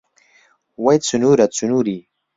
وەی چنوورە و چنووری